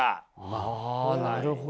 あなるほど。